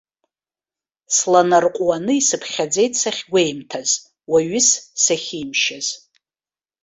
Сланарҟәуаны исыԥхьаӡеит сахьгәеимҭаз, уаҩыс сахьимшьаз.